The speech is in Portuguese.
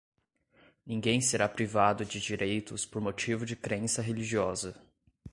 ninguém será privado de direitos por motivo de crença religiosa